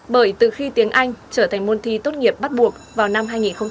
bởi từ khi tiếng anh trở thành môn thi tốt nghiệp bắt buộc vào năm hai nghìn hai mươi năm